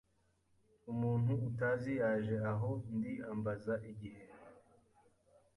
Umuntu utazi yaje aho ndi ambaza igihe.